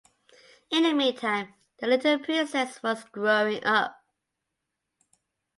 In the meantime, the little princess was growing up.